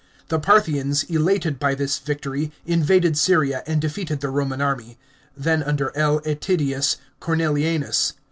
The Parthiaus, elated by this victory, invaded Syria and defeated the Roman army, then under L. Attidius Cornelianus.